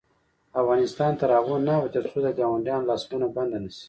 افغانستان تر هغو نه ابادیږي، ترڅو د ګاونډیانو لاسوهنه بنده نشي.